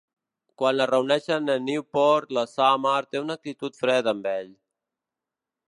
Quan es reuneixen a Newport, la Summer té una actitud freda amb ell.